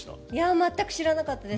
全く知らなかったです。